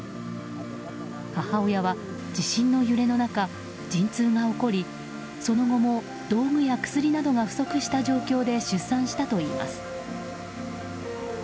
母親は、地震の揺れの中陣痛が起こりその後も道具や薬などが不足した状況で出産したといいます。